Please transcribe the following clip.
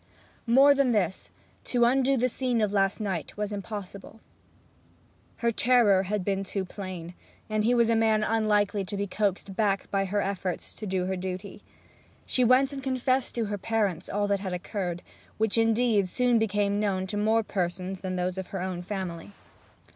More than this, to undo the scene of last night was impossible. Her terror had been too plain, and he was a man unlikely to be coaxed back by her efforts to do her duty. She went and confessed to her parents all that had occurred; which, indeed, soon became known to more persons than those of her own family.